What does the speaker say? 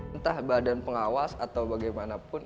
entah badan pengawas atau bagaimanapun